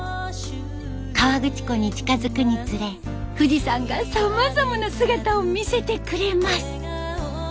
河口湖に近づくにつれ富士山がさまざまな姿を見せてくれます。